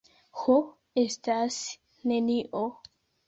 Ho, estas nenio.